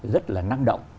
rất là năng động